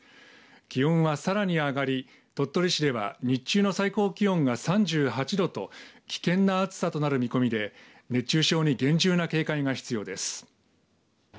気温はさらに上がり鳥取市では日中の最高気温が３８度と危険な暑さとなる見込みで熱中症に厳重な警戒が必要です。